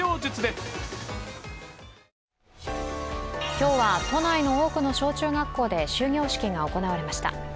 今日は都内の多くの小中学校で終業式が行われました。